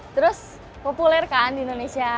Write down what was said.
terus populer kan di indonesia